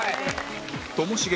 「ともしげ！」